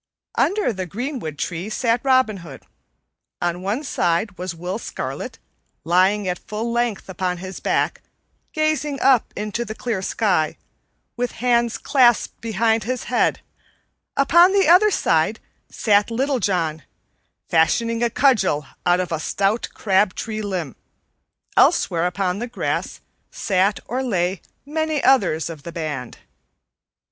Under the greenwood tree sat Robin Hood; on one side was Will Scarlet, lying at full length upon his back, gazing up into the clear sky, with hands clasped behind his head; upon the other side sat Little John, fashioning a cudgel out of a stout crab tree limb; elsewhere upon the grass sat or lay many others of the band.